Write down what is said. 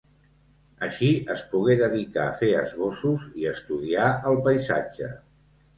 Així, es pogué dedicar a fer esbossos i estudiar el paisatge.